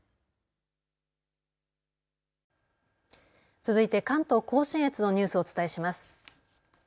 続いて関東甲信越のニュースをお伝えします。